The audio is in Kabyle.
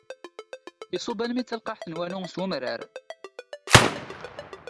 Isubb almi d talqaɛt n wanu s umrar.